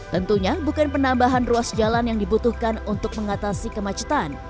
tentunya bukan penambahan ruas jalan yang dibutuhkan untuk mengatasi kemacetan